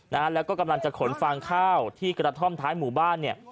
นะฮะแล้วก็กำลังจะขนฟางข้าวที่กระท่อมท้ายหมู่บ้านเนี่ย